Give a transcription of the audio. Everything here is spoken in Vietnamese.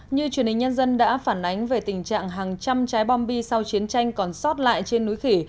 như truyền hình nhân dân đã phản ánh về tình trạng hàng trăm trái bom bi sau chiến tranh còn sót lại trên núi khỉ